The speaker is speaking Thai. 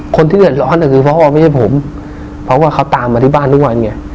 คนที่เดือดร้อนก็คือพ่อไม่ใช่ผมเพราะว่าเขาตามมาที่บ้านทุกวันไง